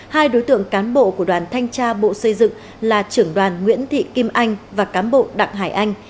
hai đối tượng cán bộ của đoàn thanh tra bộ xây dựng là trưởng đoàn nguyễn thị kim anh và cán bộ đảng hải anh